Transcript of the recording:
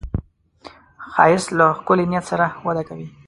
ښایست له ښکلي نیت سره وده کوي